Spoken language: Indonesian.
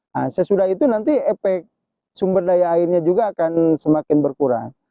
nah sesudah itu nanti efek sumber daya airnya juga akan semakin berkurang